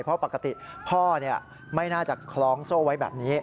เพราะปกติพ่อไม่น่าจะคล้องโซ่ไว้แบบนี้